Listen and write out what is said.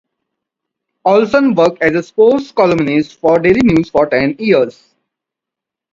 Olson worked as a sports columnist for the "Daily News" for ten years.